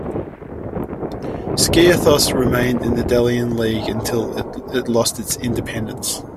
Skiathos remained in the Delian League until it lost its independence.